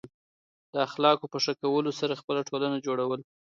د اخلاقو په ښه کولو سره خپل ټولنه جوړول.